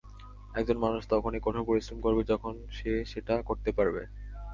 একজন মানুষ তখনই কঠোর পরিশ্রম করবে যখন সে সেটা করতে পারবে।